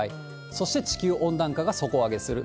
そして地球温暖化が底上げする。